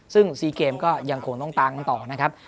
ซึ่ง๔เกมก็ยังคงต้องตามกันต่อนะครับ